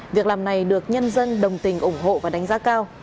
việc làm này được nhân dân đồng tình ủng hộ và đánh giá cao